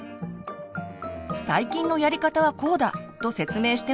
「最近のやり方はこうだ」と説明しても聞きません。